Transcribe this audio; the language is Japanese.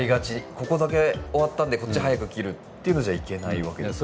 ここだけ終わったんでこっち早く切るっていうのじゃいけないわけですか？